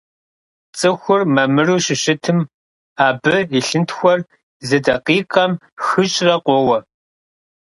ЦӀыхур мамыру щыщытым абы и лъынтхуэр зы дакъикъэм хыщӀрэ къоуэ.